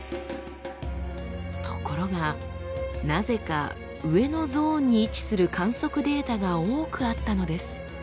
ところがなぜか上のゾーンに位置する観測データが多くあったのです。